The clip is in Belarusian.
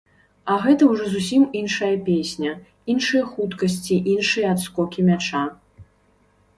А гэта ўжо зусім іншая песня, іншыя хуткасці, іншыя адскокі мяча.